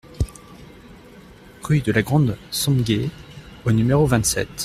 Rue de la Grande Somgué au numéro vingt-sept